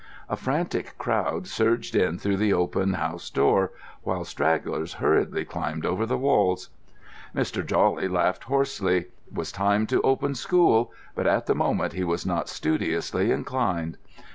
A frantic crowd surged in through the open house door, while stragglers hurriedly climbed over the walls. Mr. Jawley laughed hoarsely. It was time to open school, but at the moment he was not studiously inclined.